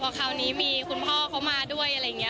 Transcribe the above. คราวนี้มีคุณพ่อเขามาด้วยอะไรอย่างนี้